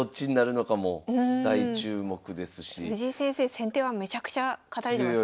藤井先生先手はめちゃくちゃ勝たれてますからね。